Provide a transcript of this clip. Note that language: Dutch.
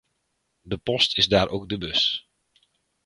De post is daar ook de bus.